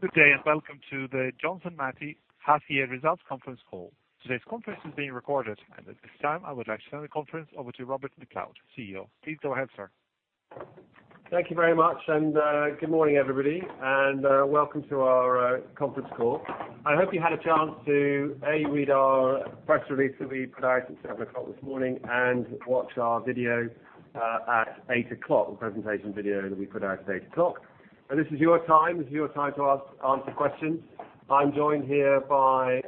Good day. Welcome to the Johnson Matthey Half Year Results Conference Call. Today's conference is being recorded. At this time I would like to turn the conference over to Robert MacLeod, CEO. Please go ahead, sir. Thank you very much. Good morning, everybody. Welcome to our conference call. I hope you had a chance to, A, read our press release that we put out at 8:00 A.M. this morning and watch our video at 8:00 A.M., the presentation video that we put out at 8:00 A.M. This is your time to ask and answer questions. I'm joined here by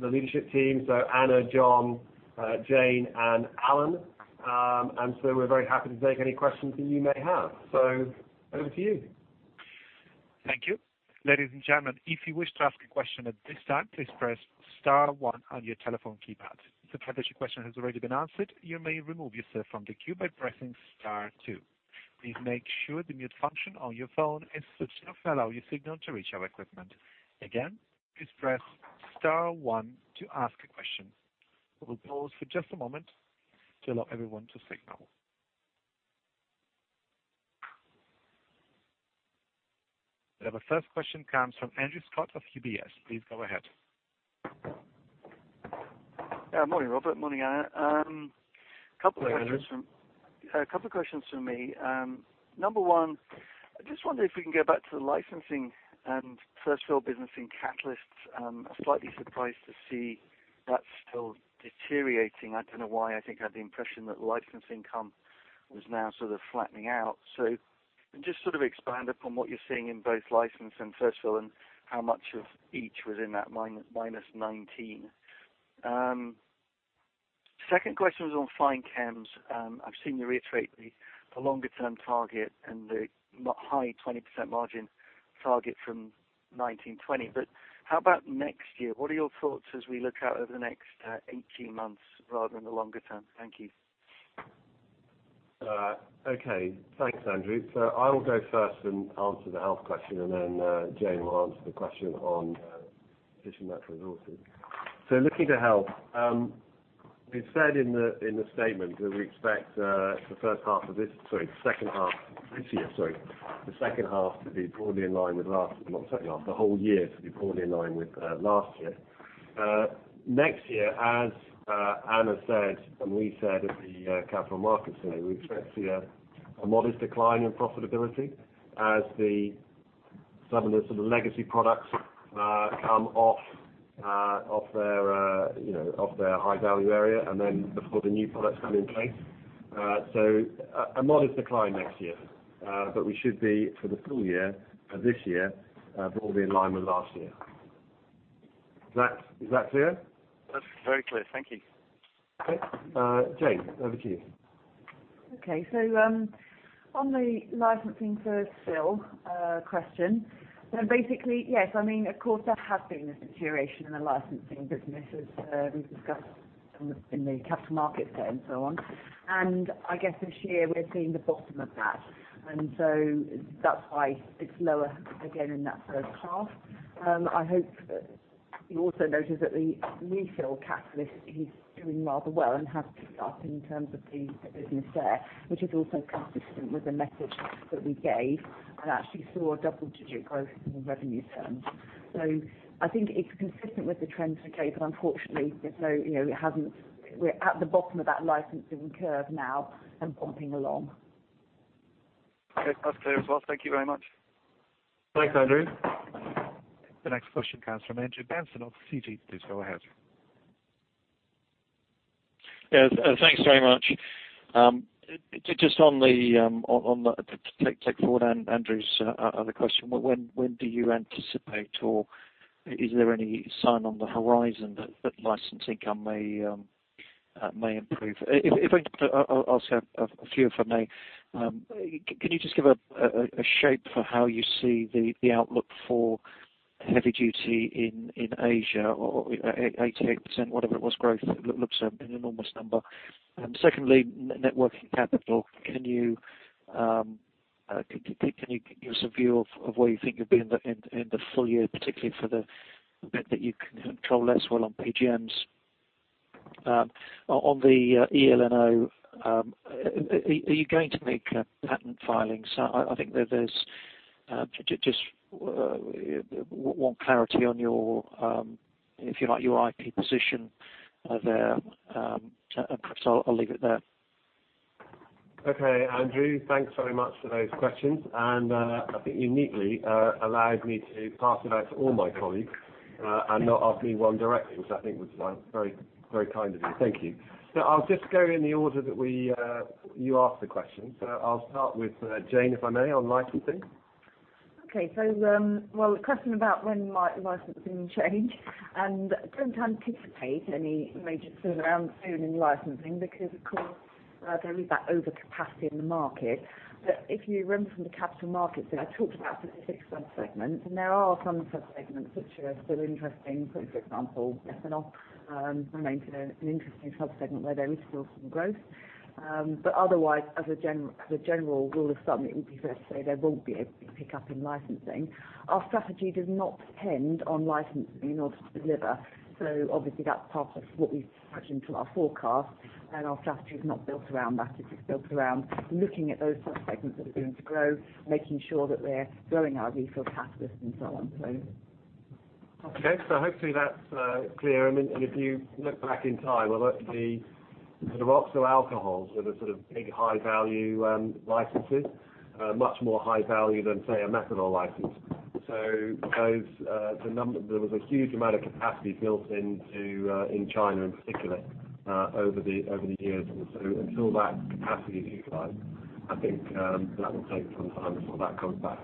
the leadership team, Anna, John, Jane, and Alan. We're very happy to take any questions that you may have. Over to you. Thank you. Ladies and gentlemen, if you wish to ask a question at this time, please press *1 on your telephone keypad. If it happens your question has already been answered, you may remove yourself from the queue by pressing *2. Please make sure the mute function on your phone is switched off to allow your signal to reach our equipment. Again, please press *1 to ask a question. We will pause for just a moment to allow everyone to signal. The first question comes from Andrew Scott of UBS. Please go ahead. Yeah. Morning, Robert. Morning, Anna. Hello, Andrew. A couple of questions from me. Number one, I just wonder if we can go back to the licensing and first-fill business in catalysts. I'm slightly surprised to see that still deteriorating. I don't know why. I think I had the impression that license income was now sort of flattening out. Just sort of expand upon what you're seeing in both license and first-fill and how much of each was in that -19. Second question is on Fine Chems. I've seen you reiterate the longer-term target and the high 20% margin target from 1920. How about next year? What are your thoughts as we look out over the next 18 months rather than the longer term? Thank you. Okay. Thanks, Andrew. I will go first and answer the health question, and then Jane will answer the question on Efficient Natural Resources. Looking to health. We said in the statement that we expect the whole year to be broadly in line with last year. Next year, as Anna said, and we said at the Capital Markets Day, we expect to see a modest decline in profitability as some of the legacy products come off their high-value area before the new products come in place. A modest decline next year. We should be, for the full year this year, broadly in line with last year. Is that clear? That's very clear. Thank you. Okay. Jane, over to you. Okay. On the licensing first-fill question, then basically, yes, of course, there has been a deterioration in the licensing business as we've discussed in the Capital Markets Day and so on. I guess this year we're seeing the bottom of that, and so that's why it's lower again in that first half. I hope that you also notice that the refill catalyst is doing rather well and has picked up in terms of the business there, which is also consistent with the message that we gave and actually saw a double-digit growth in revenue terms. I think it's consistent with the trends we gave, but unfortunately, we're at the bottom of that licensing curve now and bumping along. Okay. That's clear as well. Thank you very much. Thanks, Andrew. The next question comes from Andrew Benson of Citi. Please go ahead. Yes. Thanks very much. Just to take forward Andrew's other question, when do you anticipate, or is there any sign on the horizon that license income may improve? I'll ask a few if I may. Can you just give a shape for how you see the outlook for heavy duty in Asia, or 88%, whatever it was growth. It looks an enormous number. Secondly, net working capital. Can you give us a view of where you think you'll be in the full year, particularly for the bit that you can control less well on PGMs? On the eLNO, are you going to make patent filings? I think I just want clarity on your IP position there. Perhaps I'll leave it there. Okay. Andrew, thanks very much for those questions. I think you neatly allowed me to pass it out to all my colleagues and not ask me one directly, which I think was very kind of you. Thank you. I'll just go in the order that you asked the questions. I'll start with Jane, if I may, on licensing. Okay. Well, the question about when might licensing change, I don't anticipate any major turnaround soon in licensing because, of course, there is that overcapacity in the market. If you remember from the Capital Markets Day, I talked about the six subsegments, there are some subsegments which are still interesting. For example, ethanol remains an interesting subsegment where there is still some growth. Otherwise, as a general rule of thumb, it would be fair to say there won't be a big pickup in licensing. Our strategy does not depend on licensing in order to deliver. Obviously that's part of what we've priced into our forecast, our strategy is not built around that. It's built around looking at those subsegments that are going to grow, making sure that we're growing our refill catalysts and so on. Hopefully that's clear. If you look back in time, the sort of oxo alcohols were the sort of big, high-value licenses, much more high value than, say, a methanol license. There was a huge amount of capacity built in China in particular, over the years. Until that capacity is utilized, I think that will take some time before that comes back.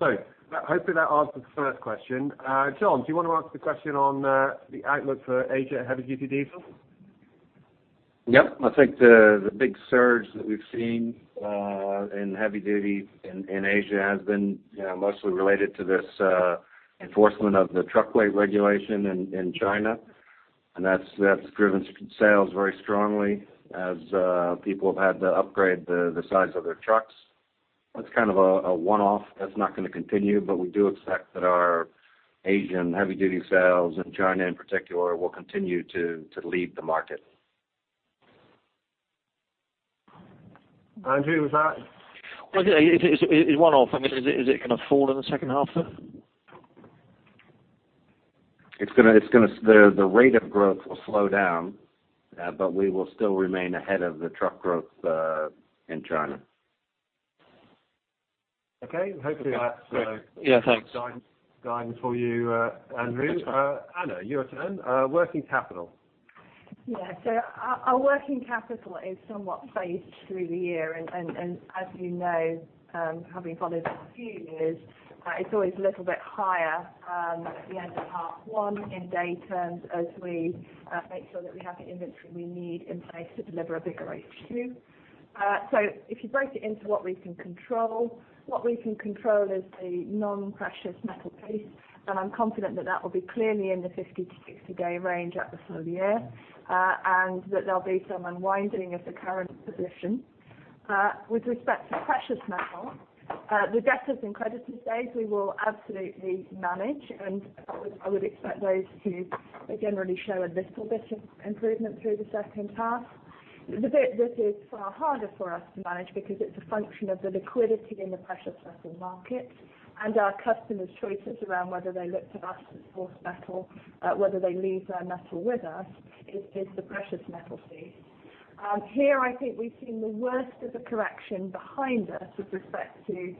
Hopefully that answers the first question. John, do you want to answer the question on the outlook for Asia heavy-duty diesel? Yep. I think the big surge that we've seen in heavy-duty in Asia has been mostly related to this enforcement of the truck weight regulation in China. That's driven sales very strongly as people have had to upgrade the size of their trucks. That's kind of a one-off. That's not going to continue. We do expect that our Asian heavy-duty sales in China, in particular, will continue to lead the market. Andrew, was that? It is one-off. I mean, is it going to fall in the second half? The rate of growth will slow down, we will still remain ahead of the truck growth in China. Okay. Yeah, thanks guidance for you, Andrew. Anna, your turn. Working capital. Yeah. Our working capital is somewhat phased through the year and as you know, having followed it for a few years, it's always a little bit higher at the end of half one in day terms as we make sure that we have the inventory we need in place to deliver a bigger H2. If you break it into what we can control, what we can control is the non-precious metal piece, and I'm confident that will be clearly in the 50-60-day range at the close of the year, and that there'll be some unwinding of the current position. With respect to precious metal, the debtors and creditors days, we will absolutely manage, and I would expect those to generally show a little bit of improvement through the second half. The bit that is far harder for us to manage because it's a function of the liquidity in the precious metal market and our customers' choices around whether they look to us for metal, whether they leave their metal with us, is the precious metal piece. Here, I think we've seen the worst of the correction behind us with respect to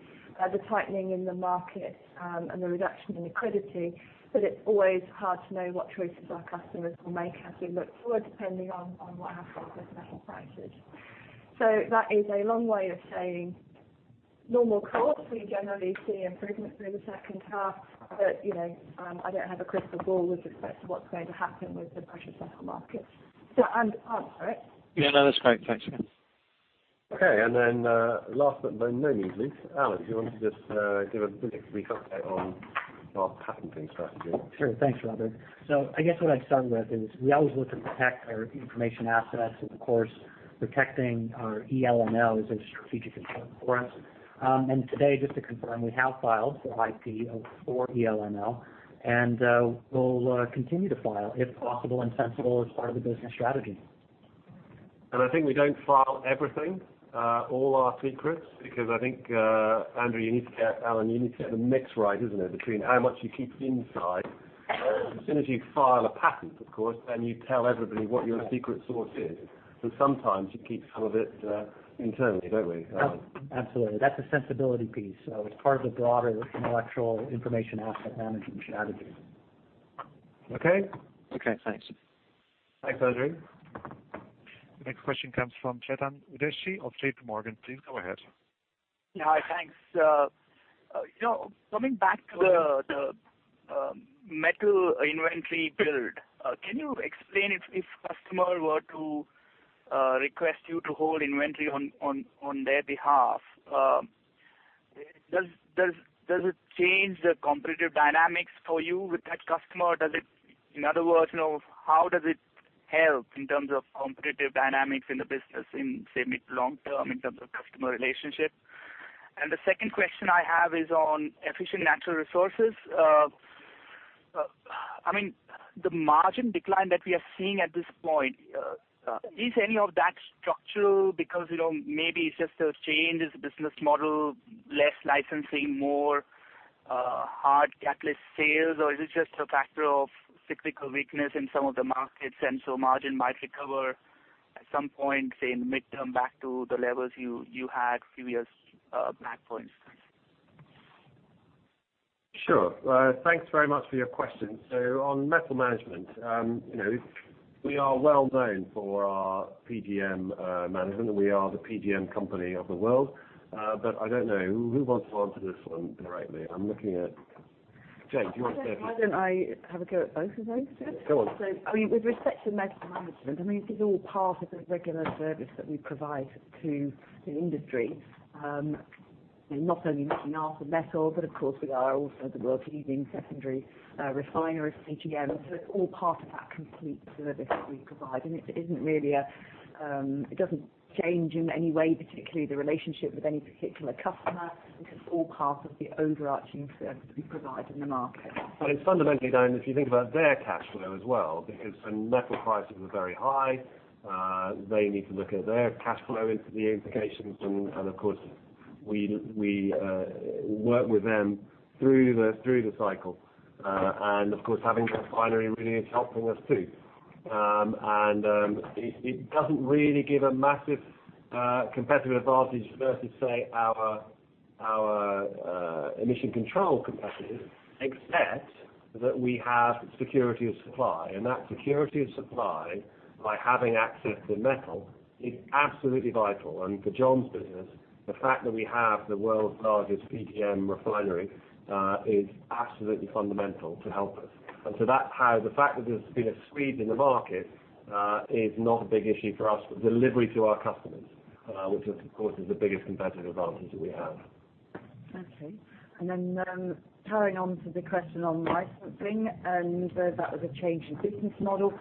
the tightening in the market and the reduction in liquidity. It's always hard to know what choices our customers will make as we look forward, depending on what happens with metal prices. That is a long way of saying normal course, we generally see improvements through the second half. I don't have a crystal ball with respect to what's going to happen with the precious metal market. Does that answer it? Yeah, no, that's great. Thanks. Last but by no means least, Alan, do you want to just give a brief update on our patenting strategy? Sure. Thanks, Robert. I guess what I'd start with is we always look to protect our information assets and of course, protecting our eLNO is a strategic concern for us. Today, just to confirm, we have filed for IP for eLNO, and we'll continue to file if possible and sensible as part of the business strategy. I think we don't file everything, all our secrets, because I think, Alan, you need to get the mix right, isn't it? Between how much you keep inside. As soon as you file a patent, of course, then you tell everybody what your secret sauce is. Sometimes you keep some of it internally, don't we, Alan? Absolutely. That's a sensibility piece. It's part of the broader intellectual information asset management strategy. Okay. Okay, thanks. Thanks, Alan. The next question comes from Chetan Udeshi of JPMorgan. Please go ahead. Yeah. Hi. Thanks. Coming back to the metal inventory build, can you explain if customer were to request you to hold inventory on their behalf, does it change the competitive dynamics for you with that customer? In other words, how does it help in terms of competitive dynamics in the business in, say, mid long term in terms of customer relationship? The second question I have is on Efficient Natural Resources. The margin decline that we are seeing at this point, is any of that structural because maybe it's just a change as a business model, less licensing, more hard catalyst sales? Is it just a factor of cyclical weakness in some of the markets and so margin might recover at some point, say, in the midterm back to the levels you had previous [peak] points? Sure. Thanks very much for your question. On metal management, we are well known for our PGM management and we are the PGM company of the world. I don't know, who wants to answer this one directly? I'm looking at Jane. Do you want to take this? Why don't I have a go at both of those, too? Go on. With respect to metal management, this is all part of the regular service that we provide to the industry. Not only looking after metal, but of course we are also the world's leading secondary refiner of PGM. It's all part of that complete service that we provide, and it doesn't change in any way, particularly the relationship with any particular customer. It's all part of the overarching service that we provide in the market. Well, it's fundamentally down, if you think about their cash flow as well, because when metal prices are very high, they need to look at their cash flow into the implications. We work with them through the cycle. Of course, having that refinery really is helping us too. It doesn't really give a massive competitive advantage versus, say, our emission control competitors, except that we have security of supply. That security of supply by having access to metal is absolutely vital. For John's business, the fact that we have the world's largest PGM refinery is absolutely fundamental to help us. The fact that there's been a squeeze in the market is not a big issue for us, but delivery to our customers, which of course is the biggest competitive advantage that we have. Okay. Carrying on to the question on licensing and whether that was a change in business model.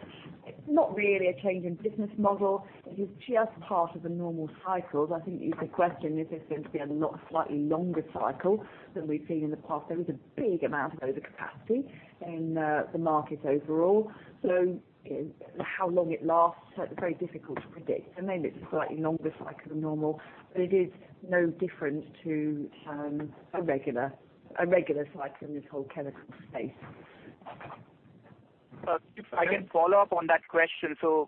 It's not really a change in business model. It is just part of the normal cycles. I think you could question if there's going to be a lot slightly longer cycle than we've seen in the past. There is a big amount of overcapacity in the market overall. How long it lasts, very difficult to predict. Maybe it's a slightly longer cycle than normal, but it is no different to a regular cycle in this whole chemical space. If I can follow up on that question. Do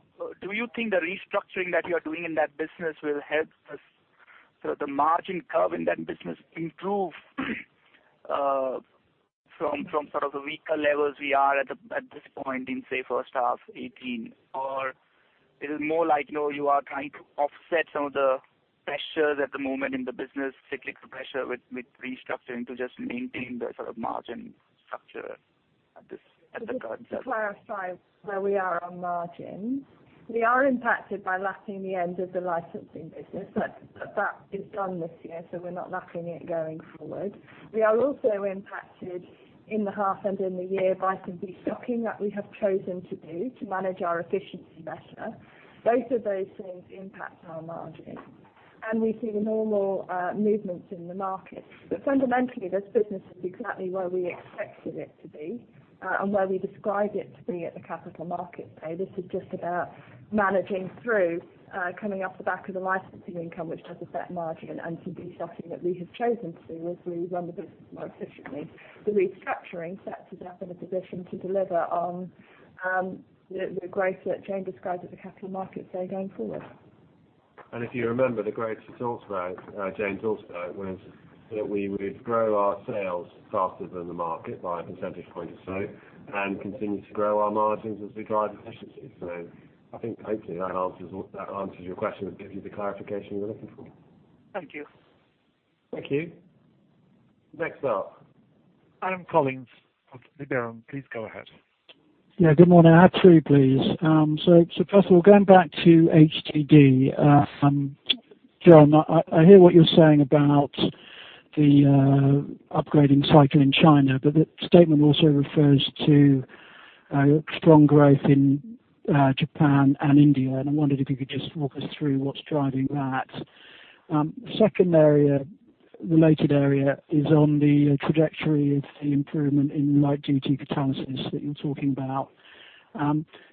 you think the restructuring that you're doing in that business will help the margin curve in that business improve from sort of the weaker levels we are at this point in, say, first half 2018? Or is it more like you are trying to offset some of the pressures at the moment in the business, cyclical pressure with restructuring to just maintain the sort of margin structure at the current level? To clarify where we are on margins, we are impacted by lapping the end of the licensing business. That is done this year, so we're not lapping it going forward. We are also impacted in the half and in the year by some destocking that we have chosen to do to manage our efficiency better. Both of those things impact our margins, and we see the normal movements in the market. Fundamentally, this business is exactly where we expected it to be and where we described it to be at the Capital Markets Day. This is just about managing through coming off the back of the licensing income, which has a set margin and some destocking that we have chosen to do as we run the business more efficiently. The restructuring sets us up in a position to deliver on the growth that Jane described at the Capital Markets Day going forward. If you remember, the growth that Jane talked about was that we would grow our sales faster than the market by a percentage point or so and continue to grow our margins as we drive efficiency. I think hopefully that answers your question and gives you the clarification you were looking for. Thank you. Thank you. Next up. Adam Collins of Liberum, please go ahead. Good morning. I have two, please. First of all, going back to HDD. John, I hear what you're saying about the upgrading cycle in China, but the statement also refers to strong growth in Japan and India, and I wondered if you could just walk us through what's driving that. Second related area is on the trajectory of the improvement in light-duty catalysts that you're talking about.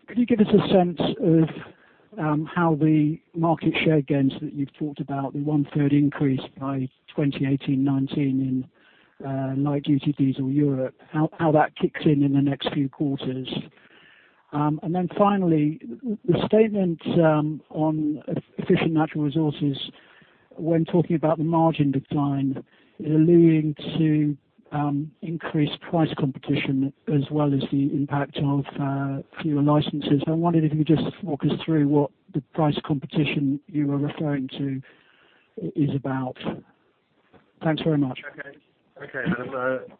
Could you give us a sense of how the market share gains that you've talked about, the 1/3 increase by 2018-2019 in light duty diesel Europe, how that kicks in in the next few quarters? Finally, the statement on Efficient Natural Resources when talking about the margin decline, alluding to increased price competition as well as the impact of fewer licenses. I wondered if you could just walk us through what the price competition you were referring to is about. Thanks very much. Adam.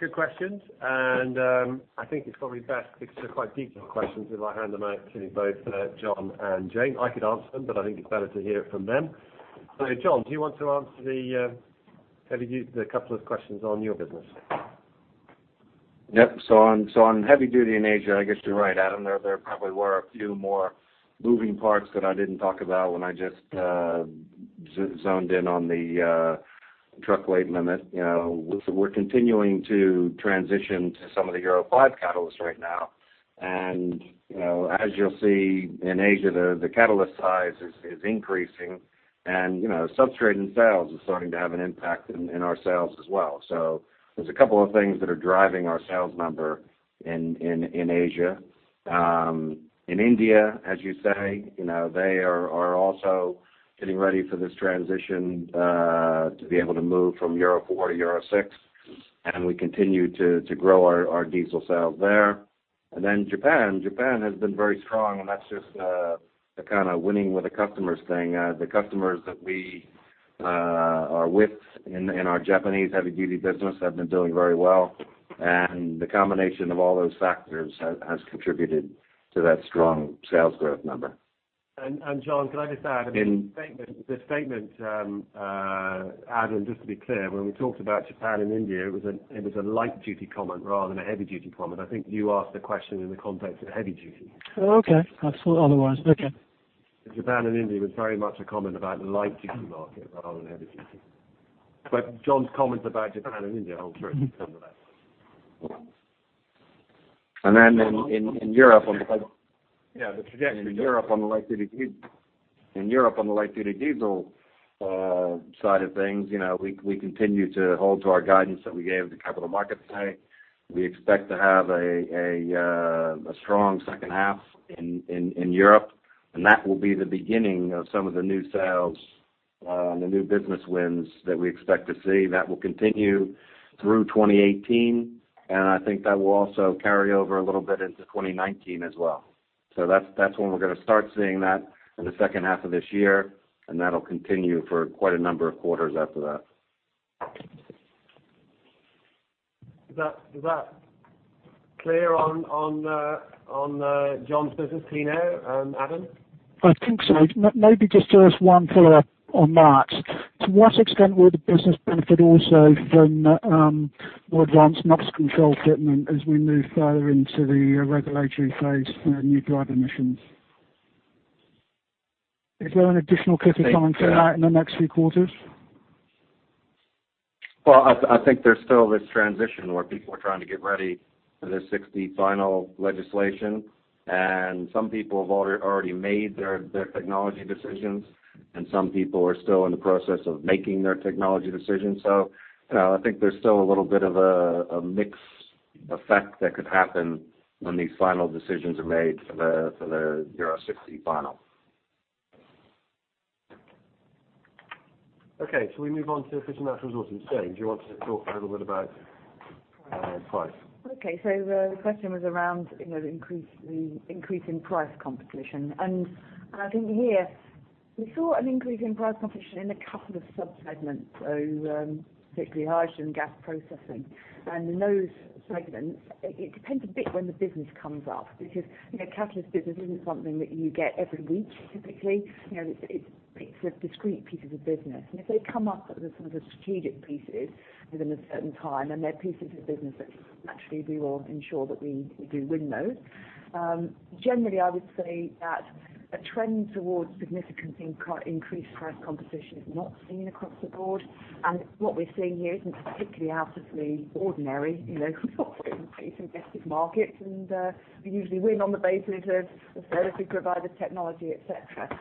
Good questions. I think it's probably best because they're quite detailed questions if I hand them actually both John and Jane. I could answer them, but I think it's better to hear it from them. John, do you want to answer the couple of questions on your business? Yep. On heavy duty in Asia, I guess you're right, Adam. There probably were a few more moving parts that I didn't talk about when I just zoned in on the truck weight limit. We're continuing to transition to some of the Euro 5 catalysts right now. As you'll see in Asia, the catalyst size is increasing, and substrate and sales is starting to have an impact in our sales as well. There's a couple of things that are driving our sales number in Asia. In India, as you say, they are also getting ready for this transition to be able to move from Euro 4 to Euro 6, and we continue to grow our diesel sales there. Japan. Japan has been very strong, and that's just the kind of winning with the customers thing. The customers that we are with in our Japanese heavy duty business have been doing very well, the combination of all those factors has contributed to that strong sales growth number. John, can I just add, the statement, Adam, just to be clear, when we talked about Japan and India, it was a light duty comment rather than a heavy duty comment. I think you asked the question in the context of heavy duty. Okay. I thought otherwise. Okay. Japan and India was very much a comment about light duty market rather than heavy duty. John's comments about Japan and India hold true nonetheless. In Europe on the light-duty diesel side of things, we continue to hold to our guidance that we gave at the Capital Markets Day. We expect to have a strong second half in Europe. That will be the beginning of some of the new sales, the new business wins that we expect to see. That will continue through 2018. I think that will also carry over a little bit into 2019 as well. That's when we're going to start seeing that, in the second half of this year, and that'll continue for quite a number of quarters after that. Is that clear on John's business, you know Adam? I think so. Maybe just one follow-up on that. To what extent will the business benefit also from more advanced NOx control equipment as we move further into the regulatory phase for new drive emissions? Is there an additional critical time for that in the next few quarters? I think there's still this transition where people are trying to get ready for the 6d-final legislation. Some people have already made their technology decisions. Some people are still in the process of making their technology decisions. I think there's still a little bit of a mixed effect that could happen when these final decisions are made for the Euro 6d-final. Okay, shall we move on to Efficient Natural Resources? Jane, do you want to talk a little bit about price? Okay. The question was around the increase in price competition. I think here we saw an increase in price competition in a couple of sub-segments, particularly hydrogen gas processing. In those segments, it depends a bit when the business comes up because catalyst business isn't something that you get every week, typically. It's discrete pieces of business. If they come up as some of the strategic pieces within a certain time, they're pieces of business that naturally we will ensure that we do win those. Generally, I would say that a trend towards significant increased price competition is not seen across the board. What we're seeing here isn't particularly out of the ordinary. We operate in competitive markets, and we usually win on the basis of the service we provide, the technology, et cetera.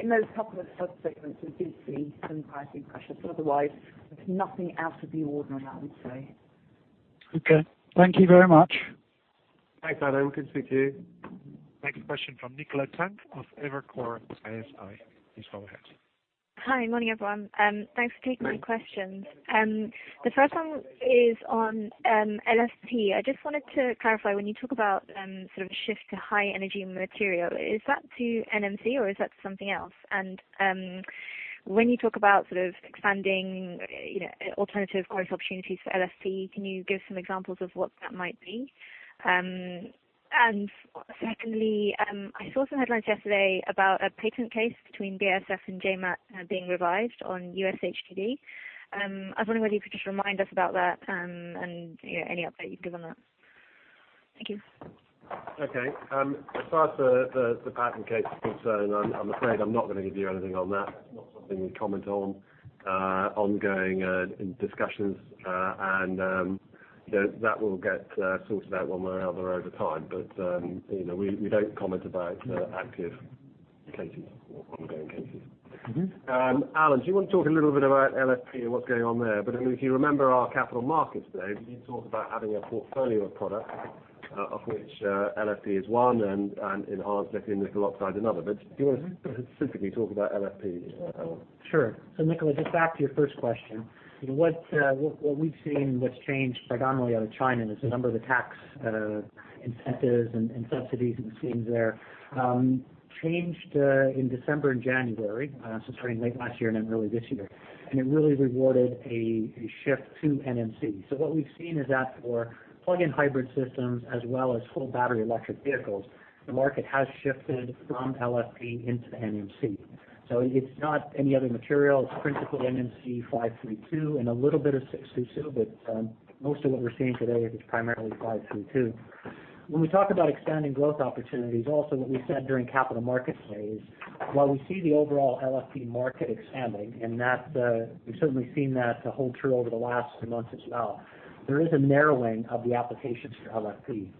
In those couple of sub-segments, we did see some pricing pressures. Otherwise, there's nothing out of the ordinary, I would say. Okay. Thank you very much. Thanks, Adam. Good to speak to you. Next question from Nicola Tang of Evercore ISI. Please go ahead. Hi. Morning, everyone. Thanks for taking my questions. The first one is on LFP. I just wanted to clarify, when you talk about sort of shift to high energy material, is that to NMC or is that to something else? When you talk about sort of expanding alternative growth opportunities for LFP, can you give some examples of what that might be? Secondly, I saw some headlines yesterday about a patent case between BASF and JMAT being revised on US HDD. I was wondering whether you could just remind us about that and any update you can give on that. Thank you. Okay. As far as the patent case is concerned, I'm afraid I'm not going to give you anything on that. It's not something we comment on, ongoing discussions. That will get sorted out one way or the other over time. We don't comment about active cases or ongoing cases. Alan, do you want to talk a little bit about LFP and what's going on there? If you remember our Capital Markets Day, we did talk about having a portfolio of products, of which LFP is one and enhanced lithium nickel oxide another. Do you want to specifically talk about LFP? Sure. Nicola, just back to your first question. What we've seen, what's changed predominantly out of China is the number of the tax incentives and subsidies and schemes there changed in December and January. Starting late last year and then early this year. It really rewarded a shift to NMC. What we've seen is that for plug-in hybrid systems as well as full battery electric vehicles, the market has shifted from LFP into the NMC. It's not any other material. It's principally NMC 532 and a little bit of 632, but most of what we're seeing today is primarily 532. When we talk about expanding growth opportunities, also what we said during Capital Markets Day is while we see the overall LFP market expanding, and we've certainly seen that hold true over the last few months as well. There is a narrowing of the applications for LFP.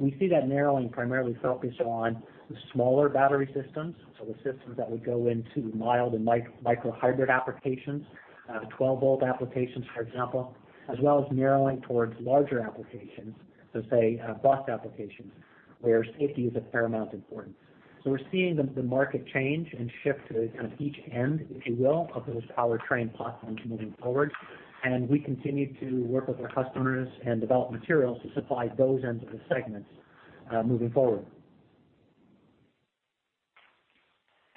We see that narrowing primarily focused on the smaller battery systems. The systems that would go into mild and micro hybrid applications, 12-volt applications, for example, as well as narrowing towards larger applications. Say, bus applications, where safety is of paramount importance. We're seeing the market change and shift to kind of each end, if you will, of those powertrain platforms moving forward. We continue to work with our customers and develop materials to supply those ends of the segments moving forward.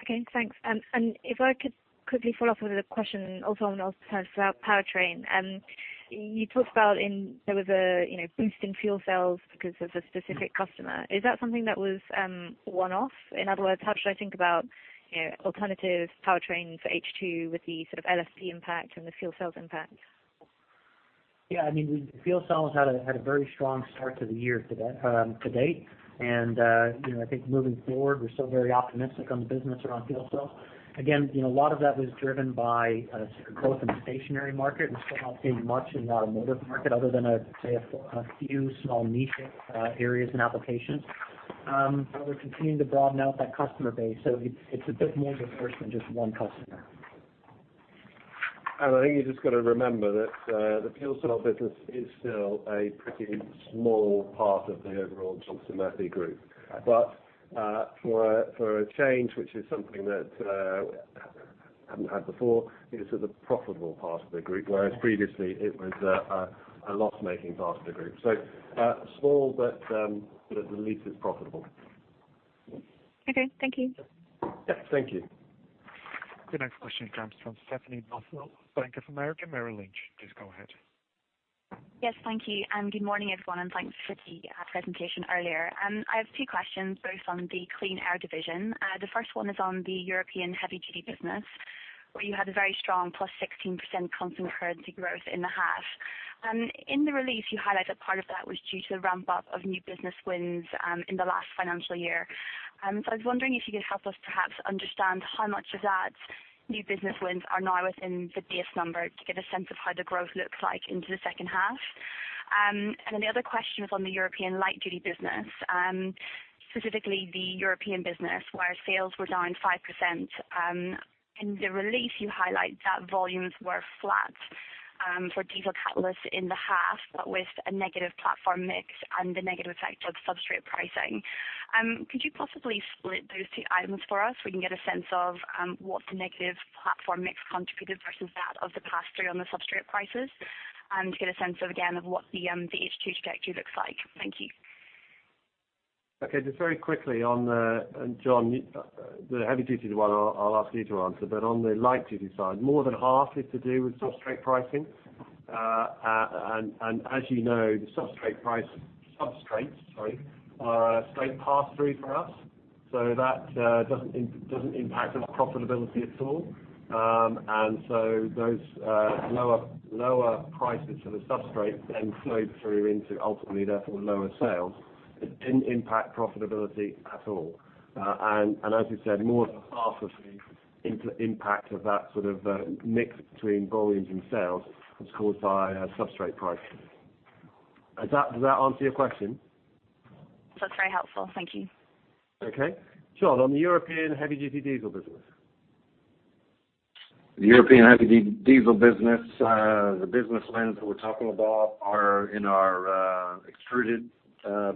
Okay, thanks. If I could quickly follow up with a question also on the powertrain. You talked about there was a boost in fuel cells because of a specific customer. Is that something that was one-off? In other words, how should I think about alternative powertrain for H2 with the sort of LFP impact and the fuel cells impact? Yeah, I mean, fuel cells had a very strong start to the year to date. I think moving forward, we're still very optimistic on the business around fuel cells. Again, a lot of that was driven by growth in the stationary market. We're still not seeing much in the automotive market other than, say, a few small niche areas and applications. We're continuing to broaden out that customer base so it's a bit more diverse than just one customer. I think you just got to remember that the fuel cell business is still a pretty small part of the overall Johnson Matthey group. Right. For a change, which is something that we haven't had before, it is the profitable part of the group. Yes Whereas previously it was a loss-making part of the group. Small, but at least it's profitable. Okay. Thank you. Yes. Thank you. The next question comes from Stephanie Nothnagel, Bank of America Merrill Lynch. Please go ahead. Yes. Thank you. Good morning, everyone, and thanks for the presentation earlier. I have two questions, both on the Clean Air division. The first one is on the European heavy-duty business, where you had a very strong +16% constant currency growth in the half. In the release, you highlight that part of that was due to the ramp-up of new business wins in the last financial year. I was wondering if you could help us perhaps understand how much of that new business wins are now within the base number to get a sense of how the growth looks like into the second half. The other question was on the European light-duty business, specifically the European business where sales were down 5%. In the release, you highlight that volumes were flat for diesel catalysts in the half, but with a negative platform mix and the negative effect of substrate pricing. Could you possibly split those two items for us so we can get a sense of what the negative platform mix contributed versus that of the pass-through on the substrate prices and get a sense of, again, of what the H2 trajectory looks like? Thank you. Okay. Just very quickly on the John, the heavy duty one, I'll ask you to answer, but on the light duty side, more than half is to do with substrate pricing. As you know, the substrate price, substrates, sorry, are a straight pass-through for us, that doesn't impact our profitability at all. Those lower prices for the substrate flowed through into ultimately therefore lower sales. It didn't impact profitability at all. As we said, more than half of the impact of that sort of mix between volumes and sales was caused by substrate pricing. Does that answer your question? That's very helpful. Thank you. Okay. John, on the European heavy-duty diesel business. The European heavy-duty diesel business, the business wins that we're talking about are in our extruded business.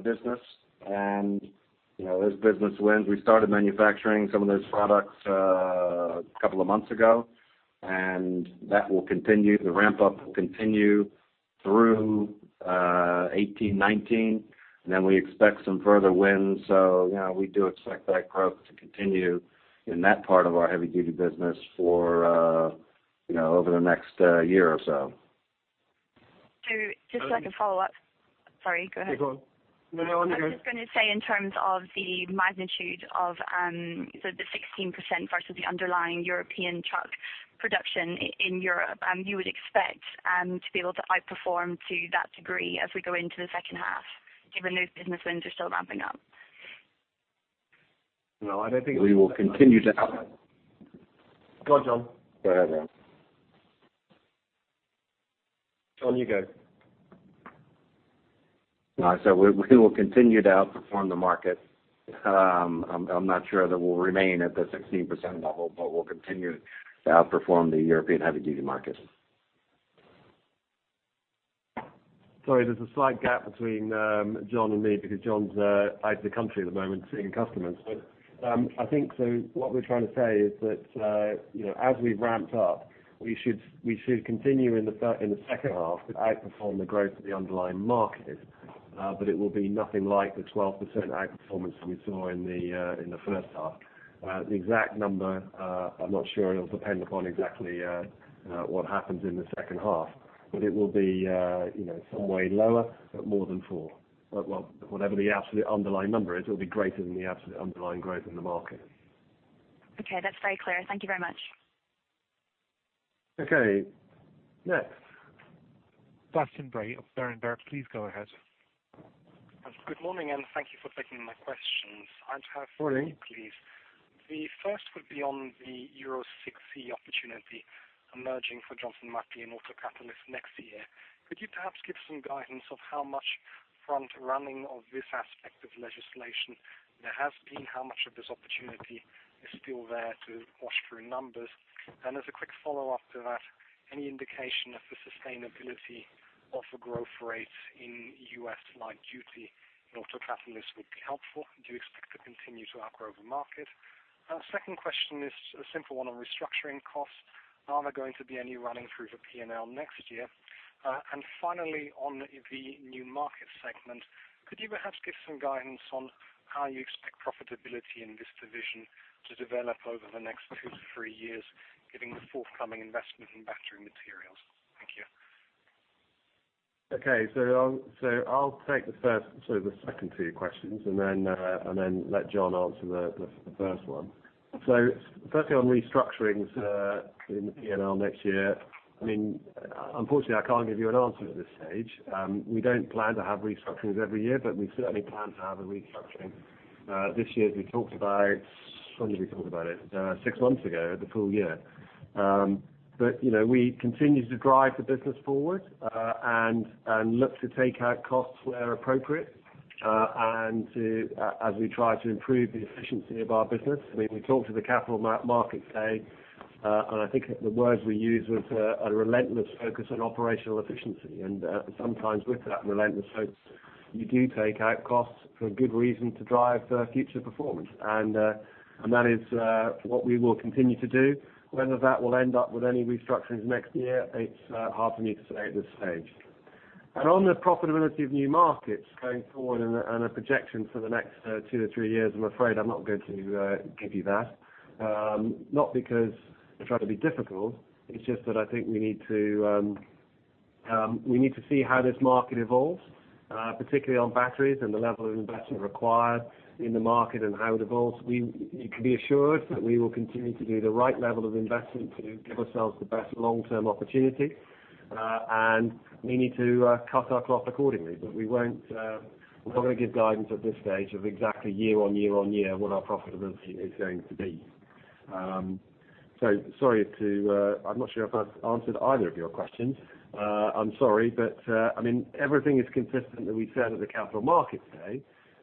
Those business wins, we started manufacturing some of those products a couple of months ago and that will continue. The ramp-up will continue through 2018-2019, then we expect some further wins. We do expect that growth to continue in that part of our heavy-duty business over the next year or so. Just like a follow-up. Sorry, go ahead. Yeah, go on. No, on you go. I was just going to say in terms of the magnitude of the 16% versus the underlying European truck production in Europe, you would expect to be able to outperform to that degree as we go into the second half, given those business wins are still ramping up. No, I don't think. We will continue to out. Go on, John. Go ahead, man. On you go. We will continue to outperform the market. I'm not sure that we'll remain at the 16% level, but we'll continue to outperform the European heavy-duty market. Sorry, there's a slight gap between John and me because John's out of the country at the moment seeing customers. I think what we're trying to say is that as we've ramped up, we should continue in the second half to outperform the growth of the underlying market, but it will be nothing like the 12% outperformance that we saw in the first half. The exact number, I'm not sure. It'll depend upon exactly what happens in the second half, but it will be some way lower, but more than four. Whatever the absolute underlying number is, it will be greater than the absolute underlying growth in the market. Okay. That's very clear. Thank you very much. Okay, next. Sebastian Bray of Berenberg. Please go ahead. Good morning, and thank you for taking my questions. I have two. Morning Please. The first would be on the Euro 6c opportunity emerging for Johnson Matthey and autocatalysts next year. Could you perhaps give some guidance of how much front-running of this aspect of legislation there has been, how much of this opportunity is still there to wash through numbers? As a quick follow-up to that, any indication of the sustainability of the growth rates in U.S. light duty in autocatalysts would be helpful. Do you expect to continue to outgrow the market? Second question is a simple one on restructuring costs. Are there going to be any running through the P&L next year? Finally, on the new market segment, could you perhaps give some guidance on how you expect profitability in this division to develop over the next two to three years given the forthcoming investment in battery materials? Thank you. I'll take the second two questions and then let John answer the first one. Firstly, on restructurings in the P&L next year, unfortunately I can't give you an answer at this stage. We don't plan to have restructurings every year, we certainly plan to have a restructuring. This year we talked about, when did we talk about it? Six months ago at the full year. We continue to drive the business forward and look to take out costs where appropriate as we try to improve the efficiency of our business. We talked to the Capital Markets Day and I think the words we used was a relentless focus on operational efficiency. Sometimes with that relentless focus, you do take out costs for a good reason to drive future performance. That is what we will continue to do. Whether that will end up with any restructurings next year, it's hard for me to say at this stage. On the profitability of new markets going forward and a projection for the next two to three years, I'm afraid I'm not going to give you that. Not because I try to be difficult, it's just that I think we need to see how this market evolves, particularly on batteries and the level of investment required in the market and how it evolves. You can be assured that we will continue to do the right level of investment to give ourselves the best long-term opportunity. We need to cut our cloth accordingly. We're not going to give guidance at this stage of exactly year on year on year what our profitability is going to be. Sorry, I'm not sure if I've answered either of your questions. I'm sorry, everything is consistent that we said at the Capital Markets Day.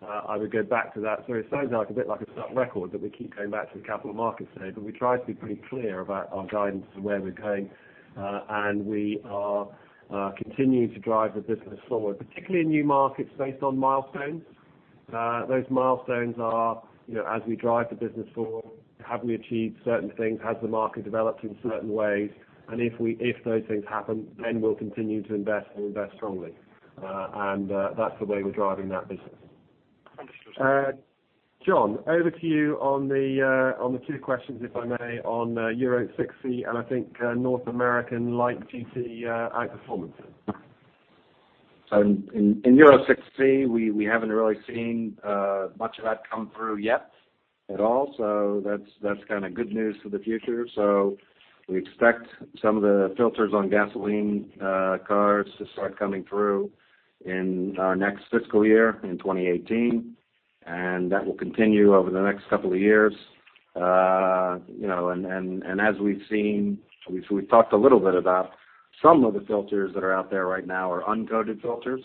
I would go back to that. It sounds a bit like a stuck record that we keep going back to the Capital Markets Day, but we tried to be pretty clear about our guidance as to where we're going. We are continuing to drive the business forward, particularly in new markets based on milestones. Those milestones are as we drive the business forward, have we achieved certain things? Has the market developed in certain ways? If those things happen, then we'll continue to invest and invest strongly. That's the way we're driving that business. Understood. John, over to you on the two questions, if I may, on Euro 6C and I think North American light duty outperformance. In Euro 6C, we haven't really seen much of that come through yet at all. That's good news for the future. We expect some of the filters on gasoline cars to start coming through in our next fiscal year in 2018, and that will continue over the next couple of years. As we've seen, we've talked a little bit about some of the filters that are out there right now are uncoated filters,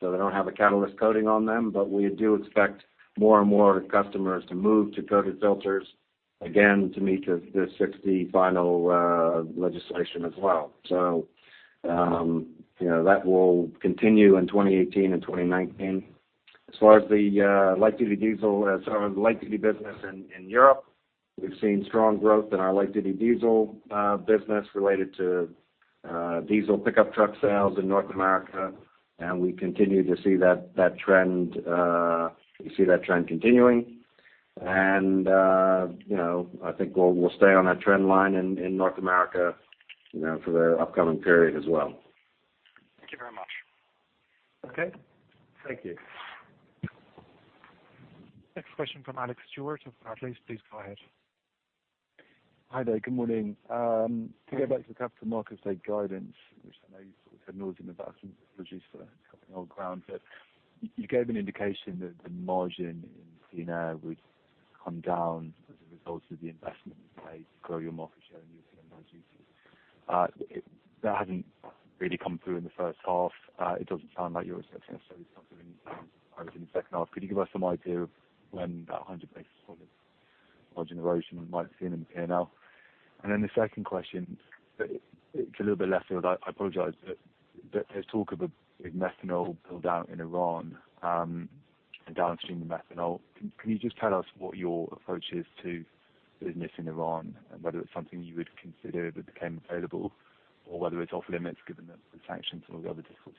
so they don't have a catalyst coating on them. We do expect more and more customers to move to coated filters, again, to meet the 6d-final legislation as well. That will continue in 2018 and 2019. As far as the light duty business in Europe, we've seen strong growth in our light duty diesel business related to diesel pickup truck sales in North America, and we continue to see that trend continuing. I think we'll stay on that trend line in North America for the upcoming period as well. Thank you very much. Okay, thank you. Next question from Alex Stewart of Barclays. Please go ahead. Hi there. Good morning. To go back to the Capital Markets Day guidance, which I know you've sort of noted in the past, apologies for covering old ground, you gave an indication that the margin in Clean Air would come down as a result of the investment you've made to grow your market share in European light duty. That hasn't really come through in the first half. It doesn't sound like you're necessarily suffering anything in the second half. Could you give us some idea of when that 100 basis point margin erosion we might see in P&L? The second question, it's a little bit left field, I apologize, but there's talk of a methanol build-out in Iran and downstream methanol. Can you just tell us what your approach is to business in Iran and whether it's something you would consider that became available or whether it's off limits given the sanctions and all the other difficulties?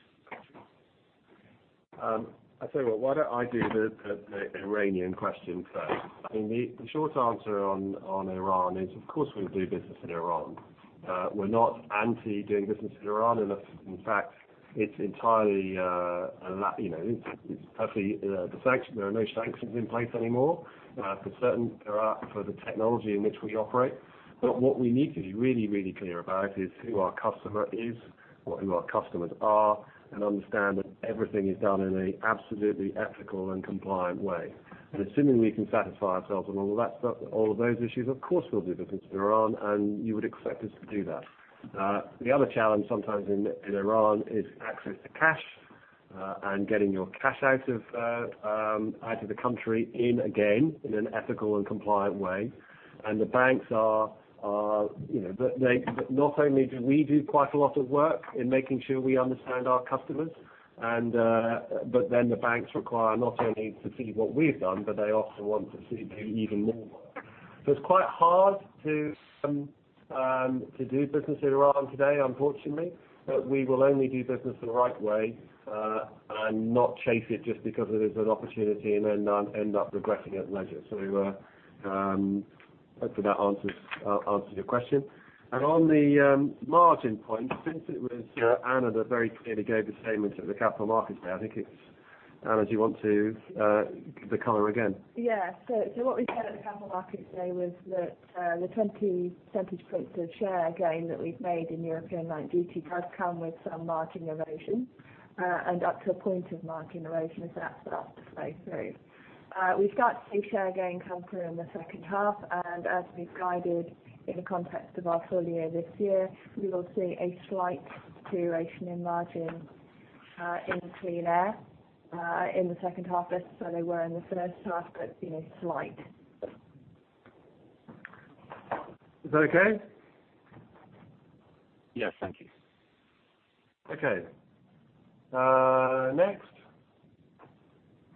What we need to be really, really clear about is who our customer is or who our customers are, and understand that everything is done in an absolutely ethical and compliant way. Assuming we can satisfy ourselves on all of those issues, of course, we'll do business in Iran, and you would expect us to do that. The other challenge sometimes in Iran is access to cash and getting your cash out of the country in again, in an ethical and compliant way. Not only do we do quite a lot of work in making sure we understand our customers, but then the banks require not only to see what we've done, but they often want to see maybe even more work. It's quite hard to do business in Iran today, unfortunately. We will only do business the right way and not chase it just because it is an opportunity and then end up regretting it later. Hope that answers your question. On the margin point, since it was Anna that very clearly gave the statement at the Capital Markets Day, I think it's Anna, do you want to give the color again? What we said at the Capital Markets Day was that the 20 percentage points of share gain that we've made in European light duty does come with some margin erosion and up to a point of margin erosion as that starts to flow through. We start to see share gain come through in the second half. As we've guided in the context of our full year this year, we will see a slight deterioration in margin in the Clean Air in the second half as they were in the first half, but slight. Is that okay? Yes. Thank you. Okay. Next.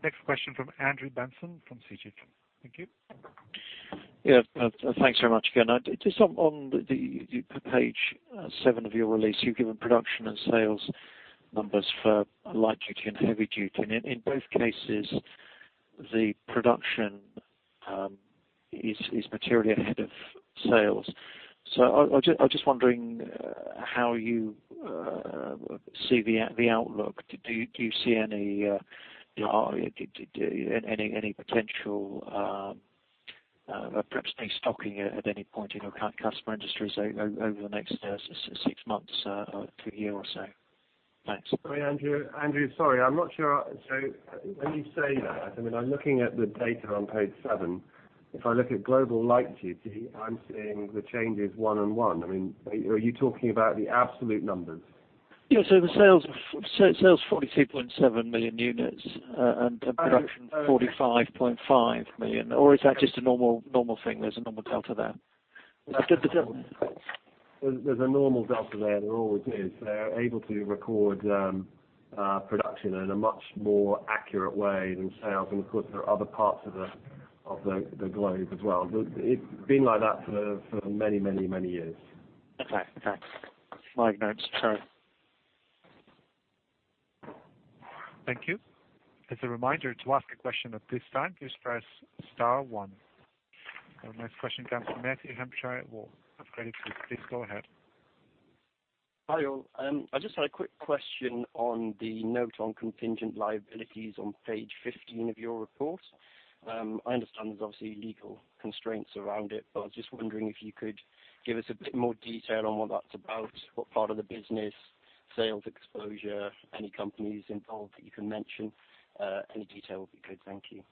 Next question from Andrew Benson from Citi. Thank you. Yeah. Thanks very much again. Just on the page seven of your release, you've given production and sales numbers for light duty and heavy duty. In both cases, the production is materially ahead of sales. I was just wondering how you see the outlook. Do you see any potential perhaps destocking at any point in your customer industries over the next six months to a year or so? Thanks. Andrew, sorry. I'm not sure. When you say that, I mean, I'm looking at the data on page seven. If I look at global light duty, I'm seeing the changes one on one. I mean, are you talking about the absolute numbers? Yeah. The sales, 42.7 million units and production 45.5 million. Is that just a normal thing, there's a normal delta there? There's a normal delta there. There always is. They're able to record production in a much more accurate way than sales. Of course, there are other parts of the globe as well. It's been like that for many years. Okay. Thanks. My sorry. Thank you. As a reminder, to ask a question at this time, please press star one. Our next question comes from Mathew Hampshire at Credit Suisse. Please go ahead. Hi, all. I just had a quick question on the note on contingent liabilities on page 15 of your report. I understand there's obviously legal constraints around it, but I was just wondering if you could give us a bit more detail on what that's about, what part of the business, sales exposure, any companies involved that you can mention? Any detail would be good. Thank you.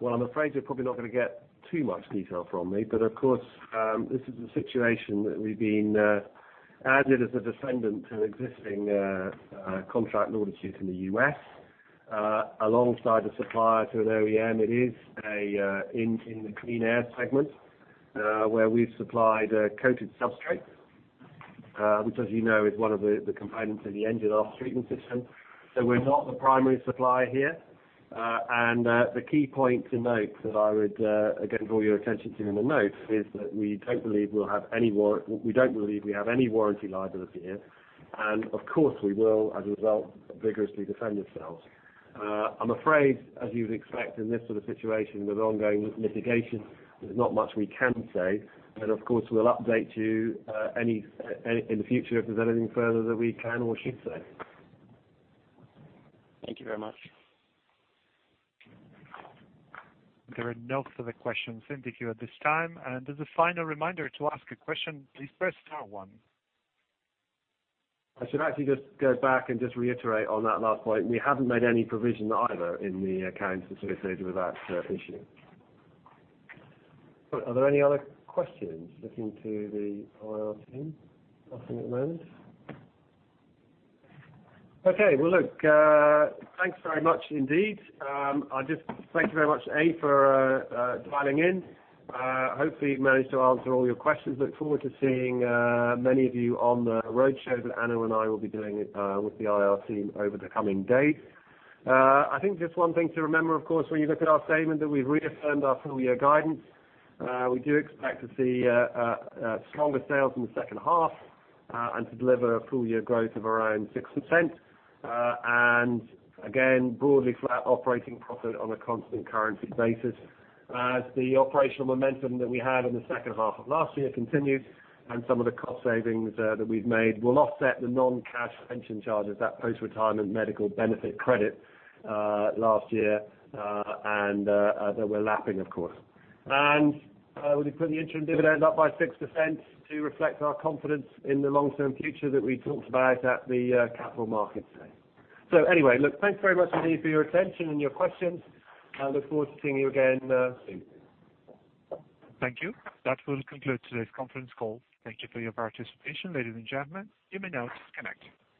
Well, I'm afraid you're probably not going to get too much detail from me. Of course, this is a situation that we've been added as a defendant to an existing contract lawsuit in the U.S. alongside a supplier to an OEM. It is in the Clean Air segment where we've supplied a coated substrate, which, as you know, is one of the components of the engine aftertreatment system. We're not the primary supplier here. The key point to note that I would again draw your attention to in the notes is that we don't believe we have any warranty liability here. Of course, we will, as a result, vigorously defend ourselves. I'm afraid, as you'd expect in this sort of situation with ongoing litigation, there's not much we can say. Of course, we'll update you in the future if there's anything further that we can or should say. Thank you very much. There are no further questions in the queue at this time. As a final reminder, to ask a question, please press star one. I should actually just go back and just reiterate on that last point. We haven't made any provision either in the accounts associated with that issue. Are there any other questions? Looking to the IR team. Nothing at the moment. Okay. Well, look, thanks very much indeed. Thank you very much for dialing in. Hopefully managed to answer all your questions. Look forward to seeing many of you on the roadshow that Anna and I will be doing with the IR team over the coming days. I think just one thing to remember, of course, when you look at our statement, that we've reaffirmed our full-year guidance. We do expect to see stronger sales in the second half and to deliver a full-year growth of around 6%. Again, broadly flat operating profit on a constant currency basis as the operational momentum that we had in the second half of last year continues, and some of the cost savings that we've made will offset the non-cash pension charges, that post-retirement medical benefit credit last year, and that we're lapping, of course. We put the interim dividend up by 6% to reflect our confidence in the long-term future that we talked about at the Capital Markets Day. Anyway, look, thanks very much indeed for your attention and your questions, and look forward to seeing you again soon. Thank you. That will conclude today's conference call. Thank you for your participation, ladies and gentlemen. You may now disconnect.